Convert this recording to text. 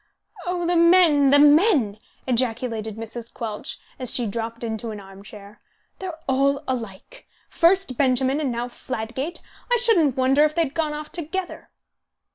"Oh, the men, the men!" ejaculated Mrs. Quelch, as she dropped into an arm chair. "They're all alike. First Benjamin, and now Fladgate! I shouldn't wonder if they had gone off together."